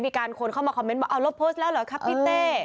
มีคนเข้ามาคอมเมนต์ว่าเอาลบโพสต์แล้วเหรอครับพี่เต้